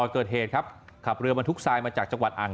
เกิดขึ้นหน้าร้านอาหารแห่ง๑